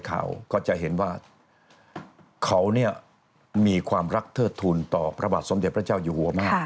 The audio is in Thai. เขามีความรักเทิดทูลต่อพระบาทสมเด็จพระเจ้าอยู่หัวมาก